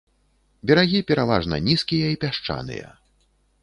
Берагі пераважна нізкія і пясчаныя.